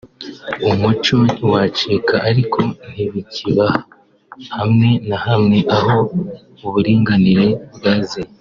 umuco ntiwacika ariko ntibikihaba hamwe na hamwe aho uburinganire bwaziye